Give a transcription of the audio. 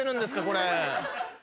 これ。